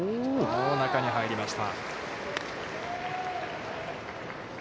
中に入りました。